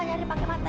cari pakai mata